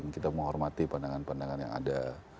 kita menghormati pandangan pandangan yang ada